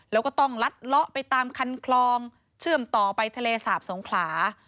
แล้วก็ต้องลัดเลาะไปตามคันคลองเชื่อมต่อไปทะเลสาบสงขลา